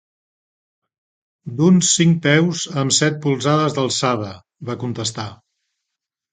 "D'uns cinc peus amb set polzades d'alçada," va contestar.